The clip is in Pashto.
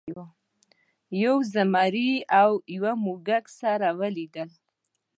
یو زمري او یو موږک سره ولیدل.